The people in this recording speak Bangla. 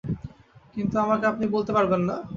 কিন্তু আমাকে আপনি আপনি বলতে পারবেন না।